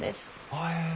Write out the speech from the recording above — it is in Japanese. へえ。